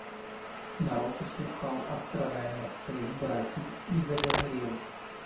Народ услыхал о страданиях своих братий и заговорил.